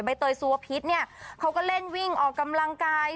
เตยสุวพิษเนี่ยเขาก็เล่นวิ่งออกกำลังกาย